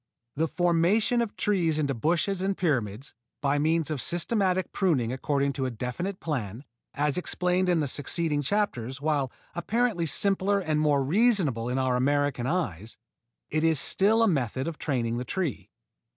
The formation of trees into bushes and pyramids, by means of systematic pruning according to a definite plan, as explained in the succeeding chapters, while apparently simpler and more reasonable to our American eyes, it is still a method of training the tree.